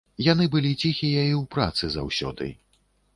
Яны былі ціхія і ў працы заўсёды.